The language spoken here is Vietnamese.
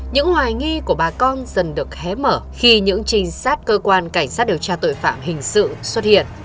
những hoài nghi của bà con dần được hé mở khi những trinh sát cơ quan cảnh sát điều tra tội phạm hình sự xuất hiện